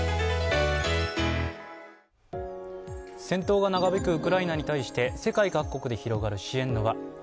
戦闘が長引くウクライナに対して世界各国で広がる支援の輪。